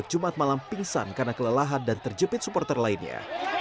jumat malam pingsan karena kelelahan dan terjepit supporter lainnya